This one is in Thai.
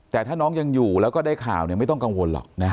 แต่ถ้าน้องยังอยู่แล้วก็ได้ข่าวไม่ต้องกังวลหรอก